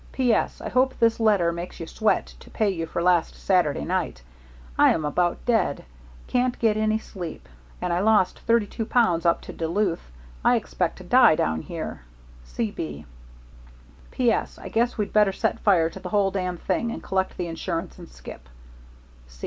P.S. I hope this letter makes you sweat to pay you for last Saturday night. I am about dead. Can't get any sleep. And I lost thirty two pounds up to Duluth. I expect to die down here. C. B. P.S. I guess we'd better set fire to the whole damn thing and collect the insurance and skip.